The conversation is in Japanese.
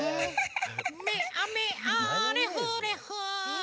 「めあめあれふれふ」